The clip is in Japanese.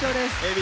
Ｂ